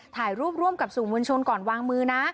ถ่ายรูปร่วมกับสื่อมวลชนก่อนวางมือนะ